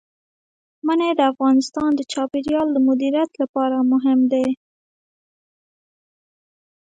منی د افغانستان د چاپیریال د مدیریت لپاره مهم دي.